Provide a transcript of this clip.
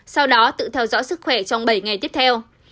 sau đó tự theo dõi sức khỏe trong bảy ngày tiếp theo